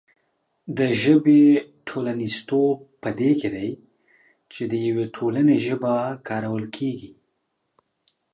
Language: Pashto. د ژبې ټولنیزتوب په دې کې دی چې د یوې ټولنې ژبه کارول کېږي.